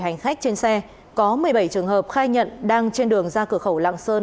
số ba mươi bảy hành khách trên xe có một mươi bảy trường hợp khai nhận đang trên đường ra cửa khẩu lạng sơn